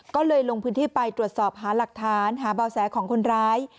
ก็เลยลงพื้นที่ไปตรวจสอบหาหลักฐานหาเบาะแสของคนร้าย